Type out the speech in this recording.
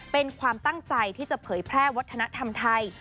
เป็นความตั้งใจที่จะเผยแพร่วัฒนธรรมไทย